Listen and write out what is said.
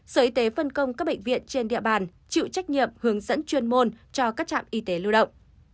sở y tế phân công các bệnh viện trên địa bàn chịu trách nhiệm hướng dẫn chuyên môn cho các trạm y tế lưu động